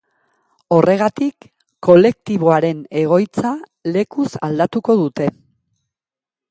Horregatik, kolektiboaren egoitza lekuz aldatuko dute.